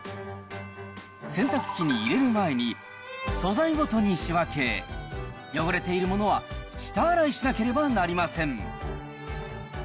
洗濯機に入れる前に、素材ごとに仕分け、汚れているものは下洗いしなければなりません。